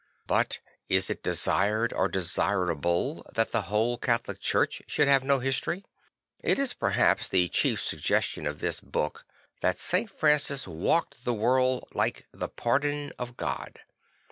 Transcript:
But is it desired or desirable that the whole Catholic Church should have no history? It is perhaps the chief suggestion of this book 'Ihe Testament of St. Francis 177 that St. Francis walked the world like the Pardon of God.